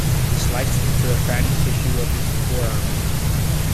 He sliced into the fatty tissue of his forearm.